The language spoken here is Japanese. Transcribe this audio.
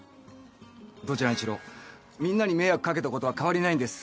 どちらにしろみんなに迷惑かけたことは変わりないんです。